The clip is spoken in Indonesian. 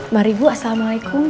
mari bu assalamualaikum